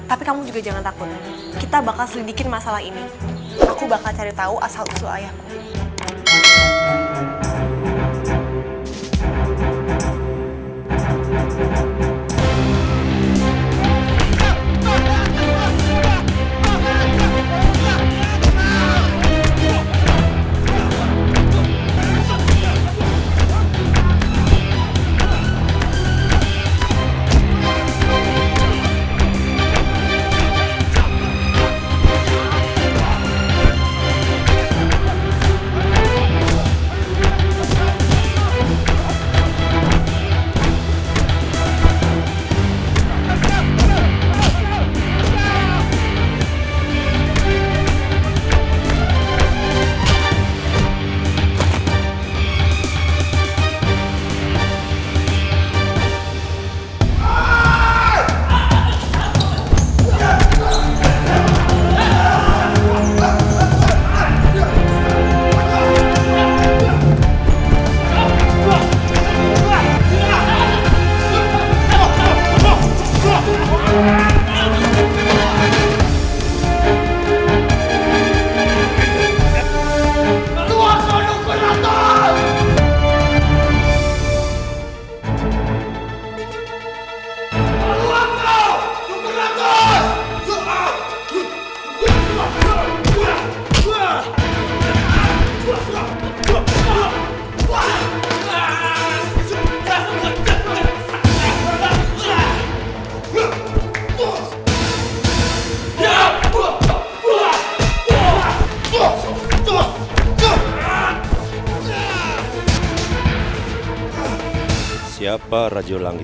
aku takut bakal ada kejadian lebih besar lagi